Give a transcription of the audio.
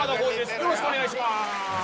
よろしくお願いします。